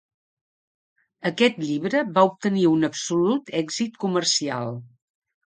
Aquest llibre va obtenir un absolut èxit comercial.